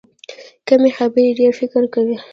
کمې خبرې، ډېر فکر کوي.